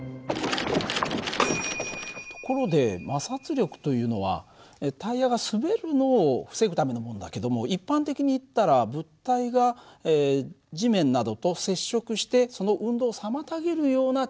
ところで摩擦力というのはタイヤが滑るのを防ぐためのものだけども一般的にいったら物体が地面などと接触してその運動を妨げるような力だったよね。